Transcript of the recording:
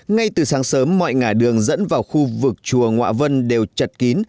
ngay từ sáng sớm mọi ngã đường dẫn vào khu vực chùa ngoạ vân đều chật kín